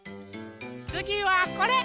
つぎはこれ。